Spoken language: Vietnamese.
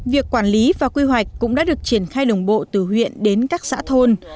việc quản lý và quy hoạch cũng đã được triển khai đồng bộ từ huyện đến các xã thôn